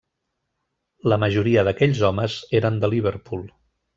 La majoria d'aquells homes eren de Liverpool.